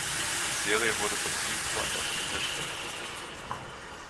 Die Serie wurde von Synch-Point auf Englisch veröffentlicht.